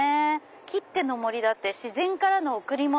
「ＫＩＴＴＥの森」だって「自然からの贈り物」。